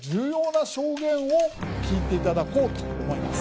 聞いていただこうと思います。